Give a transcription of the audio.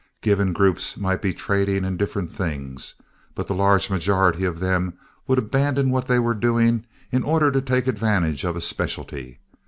Given groups might be trading in different things; but the large majority of them would abandon what they were doing in order to take advantage of a speciality.